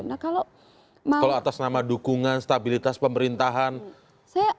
nah kalau atas nama dukungan stabilitas pemerintahan anda tidak setuju